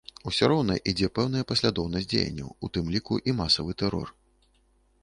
Усё роўна ідзе пэўная паслядоўнасць дзеянняў, у тым ліку і масавы тэрор.